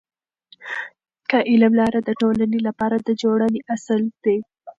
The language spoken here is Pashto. د علم لاره د ټولنې لپاره د جوړونې اصل دی.